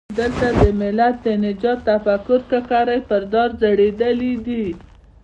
دلته د ملت د نجات تفکر ککرۍ پر دار ځړېدلي دي.